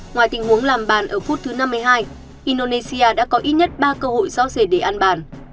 ngoài tình huống làm bàn ở phút thứ năm mươi hai indonesia đã có ít nhất ba cơ hội giao dịch để ăn bàn